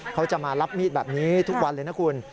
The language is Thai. เขาจะมารับมีดแบบนี้ทุกวันเลยนะคุณ